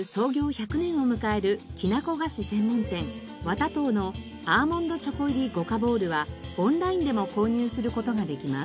１００年を迎えるきなこ菓子専門店ワタトーのアーモンド・チョコ入ごかぼーるはオンラインでも購入する事ができます。